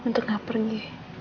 untuk gak pergi